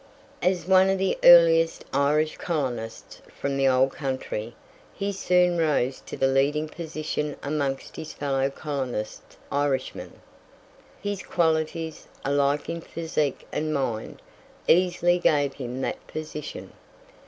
As one of the earliest Irish colonists from the old country, he soon rose to the leading position amongst his fellow colonist Irishmen. His qualities, alike in physique and mind, easily gave him that position.